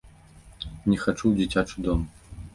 Не хачу ў дзіцячы дом!